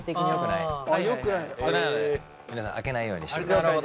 なので皆さん開けないようにしてください。